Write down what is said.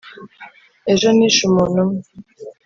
ejo nishe umuntu umwe